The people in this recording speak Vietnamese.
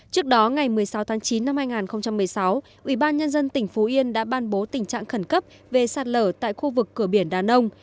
trước đó ngày một mươi sáu tháng chín năm hai nghìn một mươi sáu ubnd tỉnh phú yên đã ban bố tình trạng khẩn cấp về sạt lở tại khu vực cửa biển đà nông